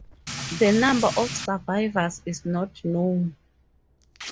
The number of survivors is not known.